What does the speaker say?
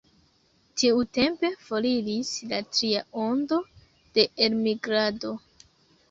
Tiutempe foriris la tria ondo de elmigrado.